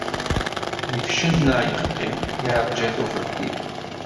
Yefcel neɣ yeqqim, yerǧa-t uxeddim.